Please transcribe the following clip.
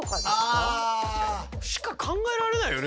あ。しか考えられないよね